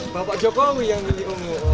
bapak jokowi yang pilih ungu